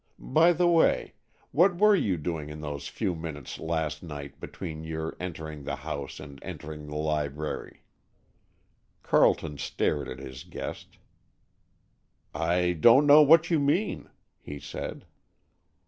By the way, what were you doing in those few minutes last night between your entering the house and entering the library?" Carleton stared at his guest. "I don't know what you mean," he said.